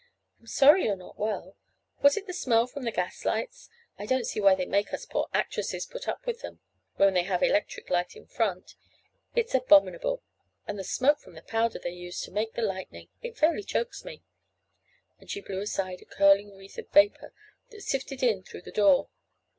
I'm sorry you're not well. Was it the smell from the gas lights? I don't see why they make us poor actresses put up with them, when they have electric light in front. It's abominable! And the smoke from the powder they use to make the lightning! It fairly chokes me," and she blew aside a curling wreath of vapor that sifted in through the door.